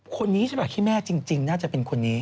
คนนี้ใช่ป่ะที่แม่จริงน่าจะเป็นคนนี้